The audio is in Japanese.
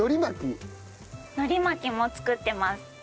海苔巻きも作ってます。